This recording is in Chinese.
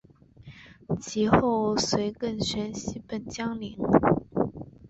及后随桓玄西奔江陵。